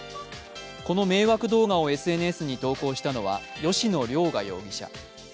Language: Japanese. この迷惑動画をＳＮＳに投稿したのは吉野凌雅容疑者。